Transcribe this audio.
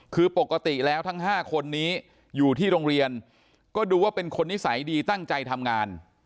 คือปกติแล้วทั้ง๕คนนี้อยู่ที่โรงเรียนก็ดูว่าเป็นคนนิสัยดีตั้งใจทำงาน